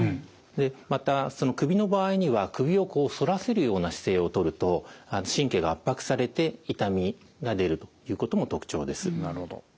でまたその首の場合には首をこう反らせるような姿勢をとると神経が圧迫されて痛みが出るということも特徴です。